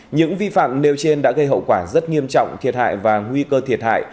những vi phạm nêu trên đã gây hậu quả rất nghiêm trọng thiệt hại và nguy cơ thiệt hại